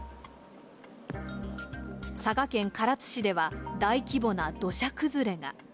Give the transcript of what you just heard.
佐賀県唐津市では、大規模な土砂崩れが。